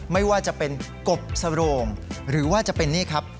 ไม่ว่าจะเป็นกบสโรงหรือว่าจะเป็นนี่ครับ